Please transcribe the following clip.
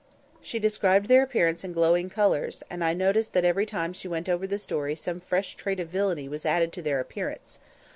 She described their appearance in glowing colours, and I noticed that every time she went over the story some fresh trait of villainy was added to their appearance.